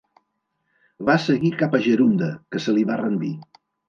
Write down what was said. Va seguir cap a Gerunda, que se li va rendir.